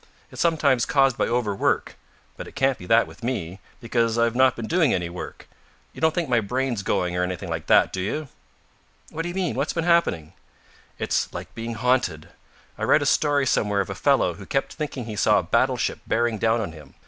It's sometimes caused by overwork. But it can't be that with me, because I've not been doing any work. You don't think my brain's going or anything like that, do you?" "What do you mean? What's been happening?" "It's like being haunted. I read a story somewhere of a fellow who kept thinking he saw a battleship bearing down on him.